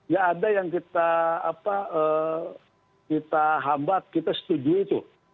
ya ada yang kita hambat kita setuju itu